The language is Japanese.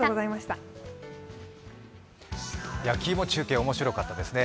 焼き芋中継、面白かったですね。